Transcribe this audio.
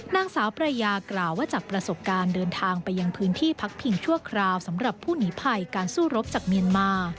นางสาวประยากล่าวว่าจากประสบการณ์เดินทางไปยังพื้นที่พักพิงชั่วคราวสำหรับผู้หนีภัยการสู้รบจากเมียนมา